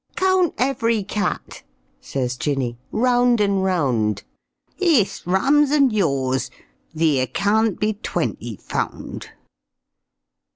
"Count ev'ry cat," says Jinny, "'round and 'round; Iss, rams and yaws, theer caan't be twenty found."